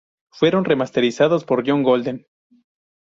Fueron remasterizados por John Golden.